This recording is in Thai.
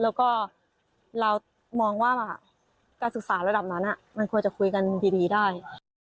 แล้วก็เรามองว่าการศึกษาระดับนั้นมันควรจะคุยกันดีได้